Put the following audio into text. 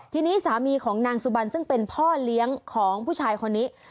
ทีนี้สามีของนางสุบันซึ่งเป็นพ่อเลี้ยงของผู้ชายคนนี้